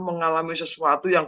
mengalami sesuatu yang